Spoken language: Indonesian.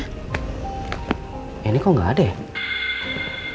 ini kok nggak ada ya